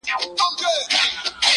په خبره ولي نه سره پوهېږو!